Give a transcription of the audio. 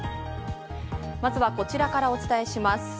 まずはこちらからお伝えします。